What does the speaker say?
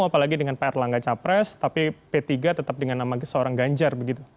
apalagi dengan pak erlangga capres tapi p tiga tetap dengan nama seorang ganjar begitu